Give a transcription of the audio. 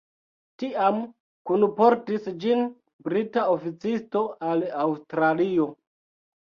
Tiam kunportis ĝin brita oficisto al Aŭstralio.